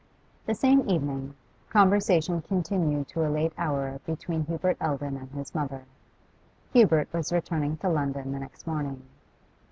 The same evening conversation continued to a late hour between Hubert Eldon and his mother. Hubert was returning to London the next morning.